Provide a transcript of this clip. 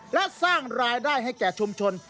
และสร้างรายได้ให้แก่ชุมชน